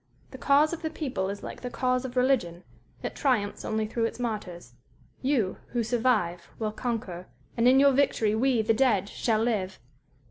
The cause of the people is like the cause of religion it triumphs only through its martyrs.... You who survive will conquer, and in your victory we, the dead, shall live_....